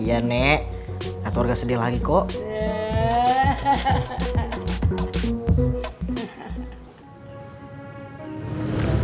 iya nek nggak keluarga sedih lagi kok